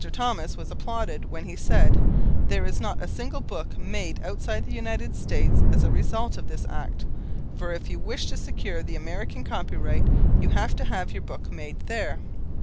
Thomas was applauded when he said: 'There is not a single book made outside the United States as a result of this Act, for if you wish to secure the American copyright you have to have your book made there.